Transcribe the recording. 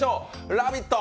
「ラヴィット！」